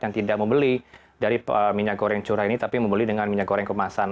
yang tidak membeli dari minyak goreng curah ini tapi membeli dengan minyak goreng kemasan